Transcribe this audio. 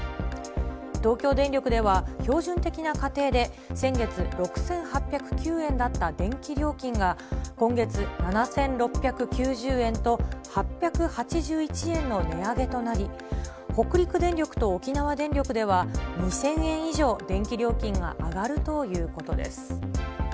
東京電力では、標準的な家庭で先月６８０９円だった電気料金が、今月７６９０円と、８８１円の値上げとなり、北陸電力と沖縄電力では、２０００円以上電気料金が上がるということです。